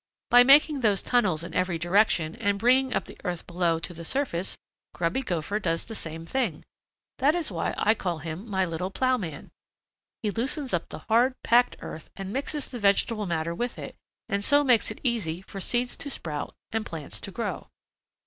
"By making those tunnels in every direction and bringing up the earth below to the surface, Grubby Gopher does the same thing. That is why I call him my little plowman. He loosens up the hard, packed earth and mixes the vegetable matter with it and so makes it easy for seeds to sprout and plants to grow."